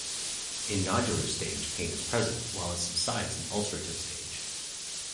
In nodular stage, pain is present; while it subsides in ulcerative stage.